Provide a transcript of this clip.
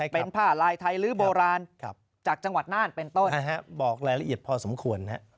เป็นผ้าลายไทยหรือโบราณจากจังหวัดน่านเป็นต้นบอกรายละเอียดพอสมควร